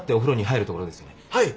はい？